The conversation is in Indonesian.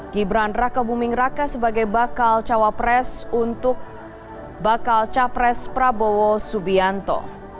gibran raka buming raka sebagai bakal cawapres untuk bakal capres prabowo subianto